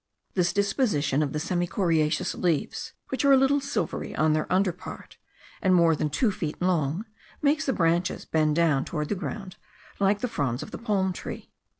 This disposition of the semicoriaceous leaves, which are a little silvery on their under part, and more than two feet long, makes the branches bend down toward the ground, like the fronds of the palm tree.